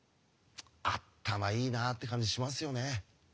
「あったまいいな」って感じしますよね。